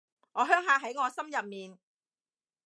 我鄉下喺我心入面